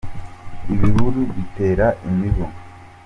ibihuru bitera imibu